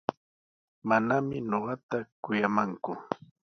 Manami ñuqata kuyamanku.